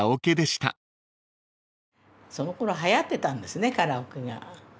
そのころはやってたんですねカラオケが。